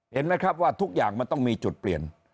เห็นไหมครับว่าทุกอย่างมันต้องมีจุดเปลี่ยน